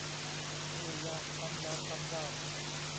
พยายามซ้ำแล้วซ้ำเล่า